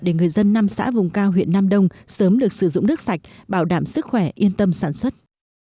để người dân năm xã vùng cao huyện nam đông sớm được sử dụng nước sạch bảo đảm sức khỏe yên tâm sản xuất